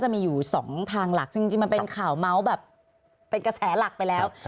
จะมีอยู่สองทางหลักจริงมันเป็นข่าวเมาส์แบบเป็นกระแสหลักไปแล้ว